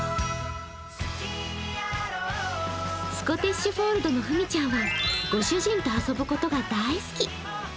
スコティッシュフォールドのふみちゃんはご主人と遊ぶことが大好き。